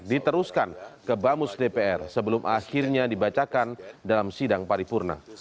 diteruskan ke bamus dpr sebelum akhirnya dibacakan dalam sidang paripurna